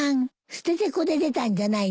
ステテコで出たんじゃないの？